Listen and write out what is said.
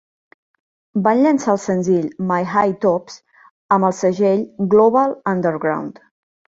Van llençar el senzill "My Hi Tops" amb el segell Global Underground.